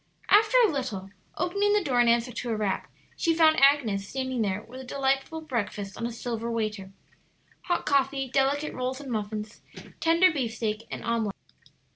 After a little, opening the door in answer to a rap, she found Agnes standing there with a delightful breakfast on a silver waiter hot coffee, delicate rolls and muffins, tender beefsteak, and omelet.